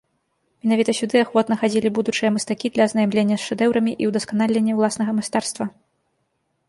Менавіта сюды ахвотна хадзілі будучыя мастакі для азнаямлення з шэдэўрамі і ўдасканалення ўласнага майстэрства.